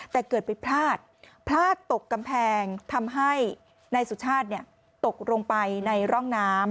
แต่เกิดไปพลาดพลาดตกกำแพงทำให้นายสุชาติตกลงไปในร่องน้ำ